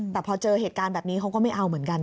แต่พอเจอเหตุการณ์แบบนี้เขาก็ไม่เอาเหมือนกัน